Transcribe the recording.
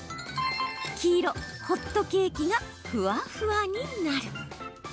黄・ホットケーキがふわふわになる。